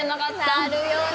あるよね！